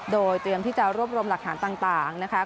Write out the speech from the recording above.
โดยเตรียมที่จะรวบรวมหลักฐานต่างนะคะ